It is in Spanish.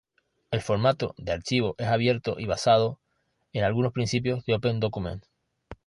El formato de archivo es abierto y basado en algunos principios de OpenDocument.